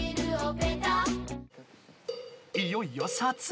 いよいよ撮影。